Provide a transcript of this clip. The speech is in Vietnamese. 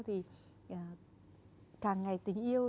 thì càng ngày tình yêu